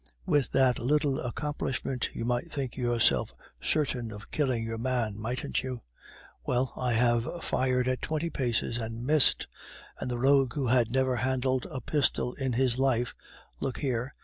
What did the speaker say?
With that little accomplishment you might think yourself certain of killing your man, mightn't you. Well, I have fired, at twenty paces, and missed, and the rogue who had never handled a pistol in his life look here!"